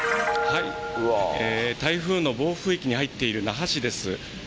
台風の暴風域に入っている那覇市です。